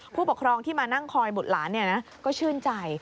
ผู้ปกครองที่มานั่งคอยบุตรหลานก็ชื่นใจ